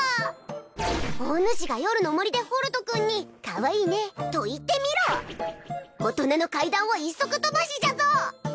おぬしが夜の森でホルト君にかわいいねと言ってみろ大人の階段を一足飛ばしじゃぞ！